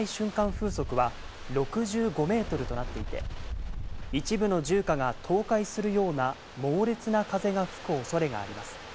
風速は６５メートルとなっていて、一部の住家が倒壊するような猛烈な風が吹く恐れがあります。